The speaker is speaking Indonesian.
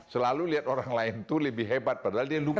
selalu lihat orang lain itu lebih hebat padahal dia lupa